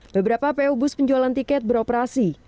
beberapa po bus penjualan tiket beroperasi